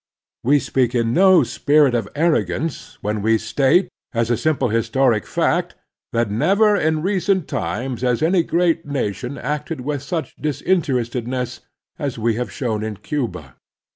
We speak in no spirit of arrogance when we state as a simple historic fact that never in recent times has any great nation acted with such disinterestedness as we have shown in Cuba.